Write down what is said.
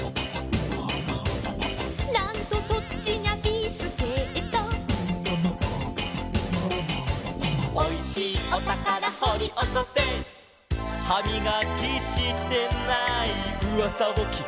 「なんとそっちにゃビスケット」「おいしいおたからほりおこせ」「はみがきしてないうわさをきけば」